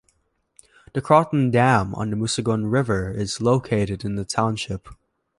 The Croton Dam on the Muskegon River is located in the township.